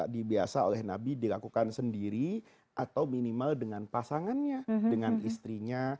dibiasa oleh nabi dilakukan sendiri atau minimal dengan pasangannya dengan istrinya